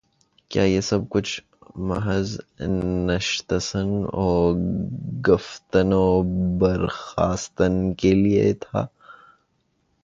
کیا یہ سب کچھ محض نشستن و گفتن و برخاستن کے لیے تھا؟